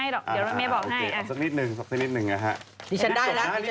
เดี๋ยวรถเมเปราะให้